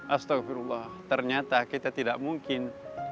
astaghurullah ternyata kita tidak mungkin